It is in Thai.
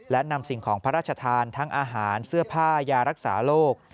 และนำสิ่งของพระราชทานทั้งอาหารเสื้อผ้ายารักษาโรค